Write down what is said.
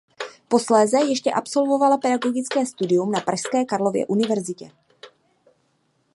Posléze ještě absolvovala pedagogické studium na pražské Karlově univerzitě.